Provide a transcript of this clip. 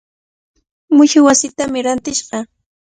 Mushuq wasitami rantishqa.